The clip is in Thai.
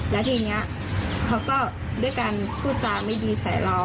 แล้วทีนี้เขาก็ด้วยการพูดจาไม่ดีใส่เรา